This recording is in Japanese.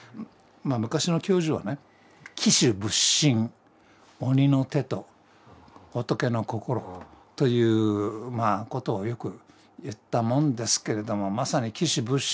昔の教授はね「鬼手仏心」鬼の手と仏の心ということをよく言ったもんですけれどもまさに鬼手仏心。